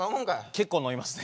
結構飲みますね。